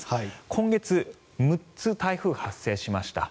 今月、６つ台風が発生しました。